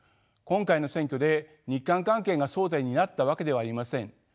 今回の選挙で日韓関係が争点になったわけではありません。